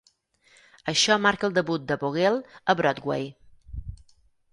Això marca el debut de Vogel a Broadway.